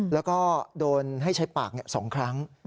แล้วก็โดนให้ใช้ปาก๒ครั้ง